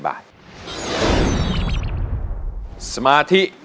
แผ่นที่สามนะครับก็คือ